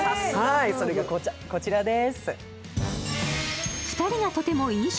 それがこちらです。